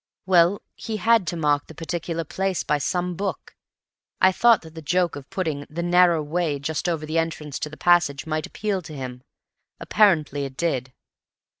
"Well, he had to mark the particular place by some book. I thought that the joke of putting 'The Narrow Way' just over the entrance to the passage might appeal to him. Apparently it did."